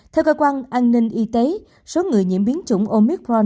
theo cơ quan an ninh y tế số người nhiễm biến chủng omicron